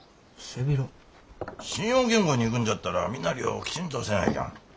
信用金庫に行くんじゃったら身なりをきちんとせにゃいかん。